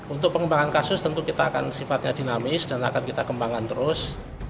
untuk pengembangan kasus tentu kita akan sifatnya dinamis dan akan kita kembangkan terus